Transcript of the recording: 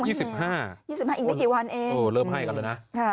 ๒๕อีกไม่กี่วันเองเออเริ่มให้กันแล้วนะค่ะ